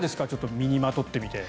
身にまとってみて。